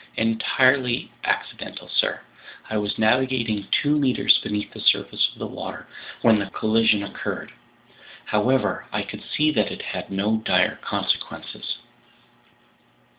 "Entirely accidental, sir. I was navigating two meters beneath the surface of the water when the collision occurred. However, I could see that it had no dire consequences."